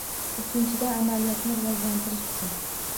Uchinchidan, amaliyotni rivojlantirish uchun.